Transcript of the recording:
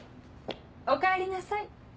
おかえりなさい。